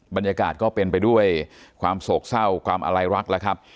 บรรยากาศก็เป็นไปด้วยความโศกเศร้าความอะไรรักแล้วครับ